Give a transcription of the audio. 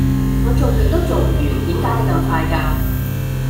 我做極都做唔完點解你咁快㗎